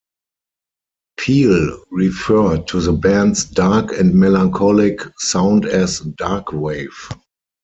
Peel referred to the band's dark and melancholic sound as "darkwave".